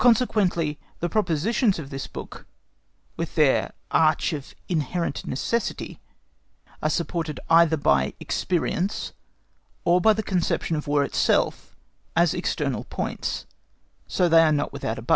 Consequently, the propositions of this book, with their arch of inherent necessity, are supported either by experience or by the conception of War itself as external points, so that they are not without abutments.